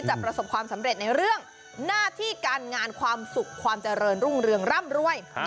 ประสบความสำเร็จในเรื่องหน้าที่การงานความสุขความเจริญรุ่งเรืองร่ำรวย